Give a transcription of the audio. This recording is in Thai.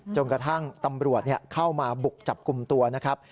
จนกระทั่งตำรวจเข้ามาบุกจับกลุ่มตัวนะครับ